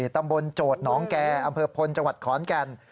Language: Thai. ตำบลโจดหนองแก่อำเภอพลจขอนแก่น